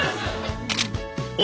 お！